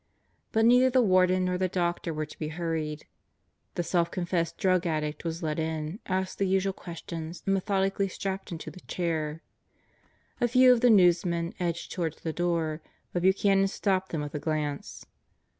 But neither the Warden nor the doctor were to be hurried. The self confessed drug addict was led in, asked the usual question, and methodically strapped into the chair. A few of lie newsmen edged toward the door but Buchanan stopped them with a glance.